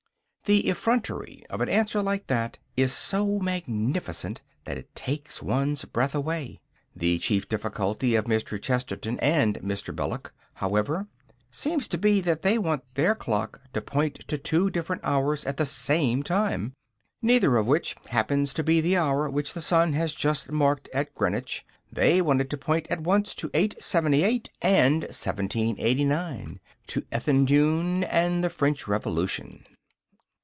The effrontery of an answer like that is so magnificent that it takes one's breath away. The chief difficulty of Mr. Chesterton and Mr. Belloc, however, seems to be that they want their clock to point to two different hours at the same time, neither of which happens to be the hour which the sun has just marked at Greenwich. They want it to point at once to 878 and 1789 to Ethandune and the French Revolution.